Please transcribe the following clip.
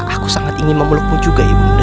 aku sangat ingin memelukmu juga ibunda